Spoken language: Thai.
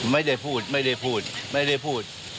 ไม่ได้พูดไม่ได้พูดไม่ได้พูด